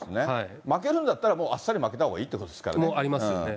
負けるんだったら、もうあっさり負けたほうがいいってことでありますよね。